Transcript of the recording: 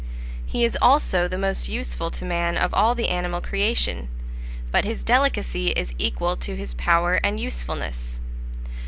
He is also the most useful to man of all the animal creation; but his delicacy is equal to his power and usefulness.